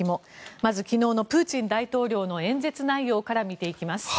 まず、昨日のプーチン大統領の演説内容から見ていきます。